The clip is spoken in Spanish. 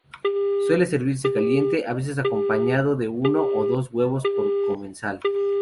Suele servirse caliente, a veces acompañado de uno o dos huevos por comensal.